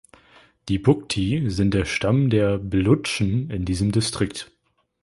Die Bugti sind der Stamm der Belutschen in diesem Distrikt.